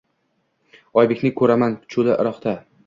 Oybekni ko’raman cho’li iroqda.